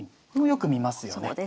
これもよく見ますよね。